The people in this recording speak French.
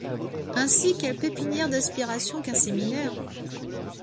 Aussi quelle pépinière d’aspirations qu’un séminaire!